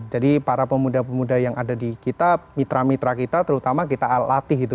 jadi para pemuda pemuda yang ada di kita mitra mitra kita terutama kita latih gitu